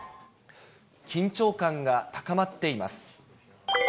緊張感が高まっています。